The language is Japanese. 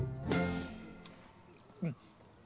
うん。